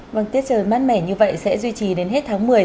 vâng tiết trời mát mẻ như vậy sẽ duy trì đến hết tháng một mươi